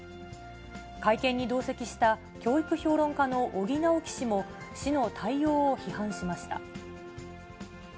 会見に同席した教育評論家の尾木直樹氏も、市の対応を批判しました。